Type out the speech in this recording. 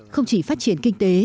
không chỉ phát triển kinh tế